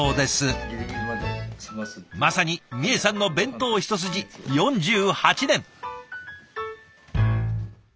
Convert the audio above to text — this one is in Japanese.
まさにみえさんの弁当一筋４８年。